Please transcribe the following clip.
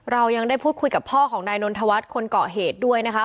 เรายังได้พูดคุยกับพ่อของนายนนทวัฒน์คนเกาะเหตุด้วยนะคะ